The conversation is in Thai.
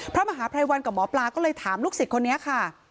พระมหาภัยวันกับหมอปลาก็เลยถามลูกศิษย์คนนี้ค่ะ